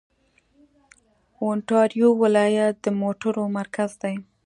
اونټاریو ولایت د موټرو مرکز دی.